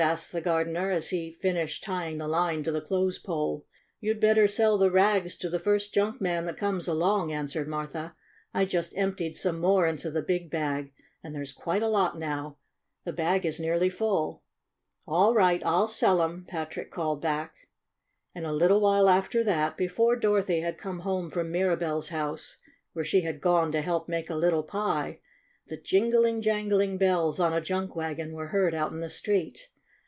asked the gar dener, as he finished tying the line to the clothes post. "You'd better sell the rags to the first junk man that comes along," answered Martha. "I just emptied some more into the big bag, and there's quite a lot now. The bag is nearly full." "All right, I'll sell 'em!" Patrick called back. And a little while after that, before Dor othy had come home from Mirabell's house where she had gone to help make a little pie, the jingling jangling bells on a junk wagon were heard out in the street.